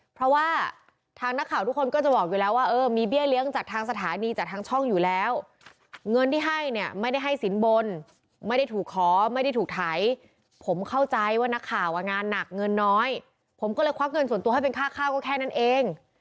เพราะว่าทางนักข่าวทุกคนก็จะบอกอยู่แล้วว่าเออมีเบี้ยเลี้ยงจากทางสถานีจากทางช่องอยู่แล้วเงินที่ให้เนี่ยไม่ได้ให้สินบนไม่ได้ถูกขอไม่ได้ถูกไถผมเข้าใจว่านักข่าวอ่ะงานหนักเงินน้อยผมก็เลยควักเงินส่วนตัวให้เป็นค่าข้าวก็แค่นั้นเอง